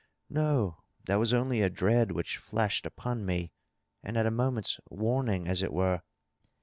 '^^^ No. That was only a dread which flashed upon me, and at a mo ment's warning, as it were.